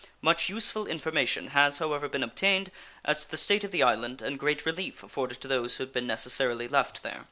Much useful information has, however, been obtained as to the state of the island and great relief afforded to those who had been necessarily left there.